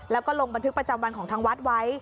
แล้วก็ลงบันทึกประจำวันของทางวัดไว้